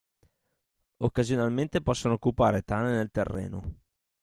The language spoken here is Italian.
Occasionalmente possono occupare tane nel terreno.